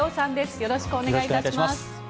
よろしくお願いします。